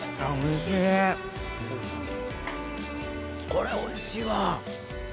これおいしいわ。